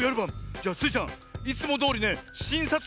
じゃあスイちゃんいつもどおりねしんさつ